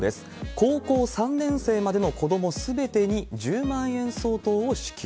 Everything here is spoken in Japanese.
高校３年生までの子どもすべてに１０万円相当を支給。